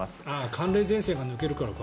寒冷前線が抜けるからか。